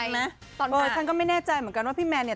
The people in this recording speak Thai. ใช่ไหมตอนนั้นอ๋อฉันก็ไม่แน่ใจเหมือนกันว่าพี่แมนเนี่ย